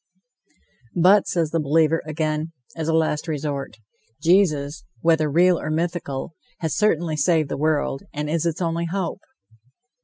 "But," says the believer, again, as a last resort, "Jesus, whether real or mythical, has certainly saved the world, and is its only hope."